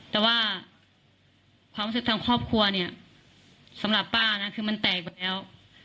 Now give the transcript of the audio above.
แต่ว่าความรู้สึกทางครอบครัวเนี่ยสำหรับป้านะคือมันแตกหมดแล้ว